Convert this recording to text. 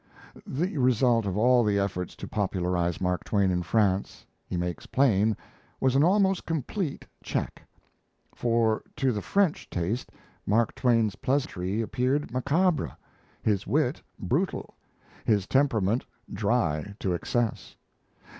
The result of all the efforts to popularize Mark Twain in France, he makes plain, was an almost complete check; for to the French taste Mark Twain's pleasantry appeared macabre, his wit brutal, his temperament dry to excess.